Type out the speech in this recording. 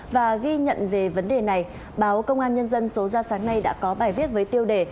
và ghi nhận về vấn đề này báo công an nhân dân số ra sáng nay đã có bài viết với tiêu đề